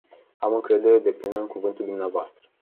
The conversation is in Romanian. Am încredere deplină în cuvântul dvs.